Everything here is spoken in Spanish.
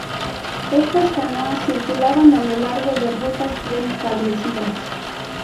Estas canoas circulaban a lo largo de rutas bien establecidas.